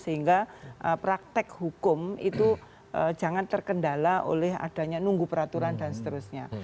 sehingga praktek hukum itu jangan terkendala oleh adanya nunggu peraturan dan seterusnya